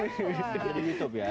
ada di youtube ya